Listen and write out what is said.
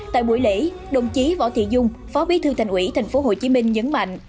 tại buổi lễ đồng chí võ thị dung phó bí thư thành ủy tp hcm nhấn mạnh